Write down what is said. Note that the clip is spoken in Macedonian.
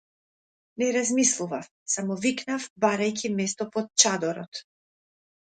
Не размислував, само викнав барајќи место под чадорот.